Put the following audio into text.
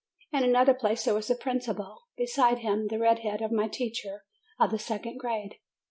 In another place there was the principal; behind him, the red head of my teacher of the second grade.